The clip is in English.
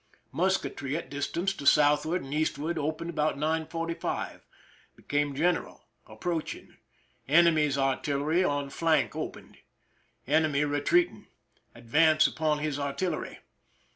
Musketry at distance to southward and eastward opened about 9:45. Became general. Approaching. Enemy's artillery on flank opened. Enemy retreating. Advance upon his artillery.